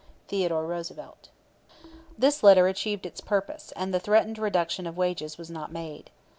"THEODORE ROOSEVELT." This letter achieved its purpose, and the threatened reduction of wages was not made.